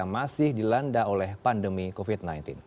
masih dilanda oleh pandemi covid sembilan belas